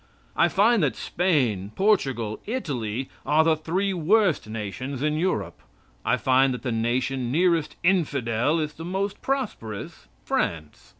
I find that Spain, Portugal, Italy are the three worst nations in Europe; I find that the nation nearest infidel is the most prosperous France.